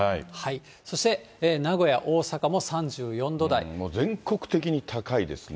そして、名古屋、もう全国的に高いですね。